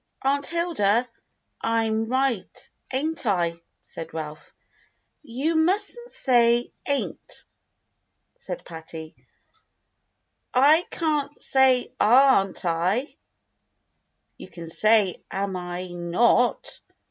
"Aunt Hilda, I'm right, ain't I.?" said Ralph. "You mustn't say * ain't,'" said Patty. "Ican't say 'aren't I.'" "You can say *am I not.'"